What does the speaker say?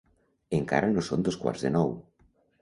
Encara no són dos quarts de nou.